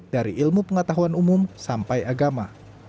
dari ilmu pengetahuan umum sampai agama